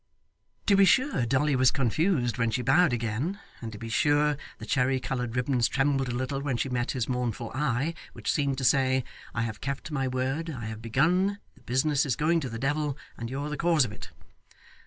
To be sure Dolly was confused when she bowed again, and to be sure the cherry coloured ribbons trembled a little when she met his mournful eye, which seemed to say, 'I have kept my word, I have begun, the business is going to the devil, and you're the cause of it.